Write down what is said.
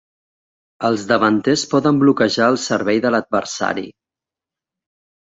Els davanters poden bloquejar el servei de l'adversari.